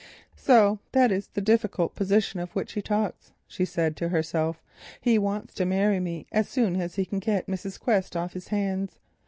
"So that is the difficult position of which he talks," she said to herself; "he wants to marry me as soon as he can get Mrs. Quest off his hands.